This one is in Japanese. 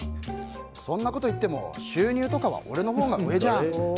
そんなこと言っても収入とかは俺のほうが上じゃん。